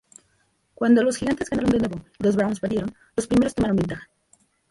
Cuando los Gigantes ganaron de nuevo y los Browns perdieron, los primeros tomaron ventaja.